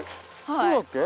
はい。